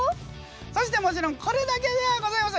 そしてもちろんこれだけではございません。